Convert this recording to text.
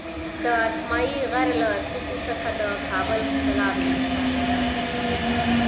د اسمایي غر له څوکو څخه د کابل ښکلا بېمثاله ده.